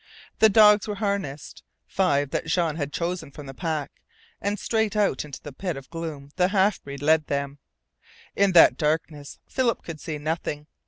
The dogs were harnessed, five that Jean had chosen from the pack; and straight out into the pit of gloom the half breed led them. In that darkness Philip could see nothing.